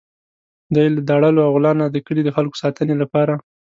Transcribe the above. دی له داړلو او غلا نه د کلي د خلکو ساتنې لپاره.